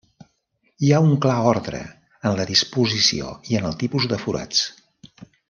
Hi ha un clar ordre en la disposició i en el tipus de forats.